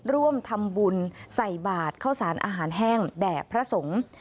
ร่วมทำบุญใส่บาทเข้าสารอาหารแห้งแด่พระสงฆ์